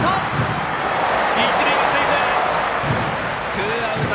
ツーアウト！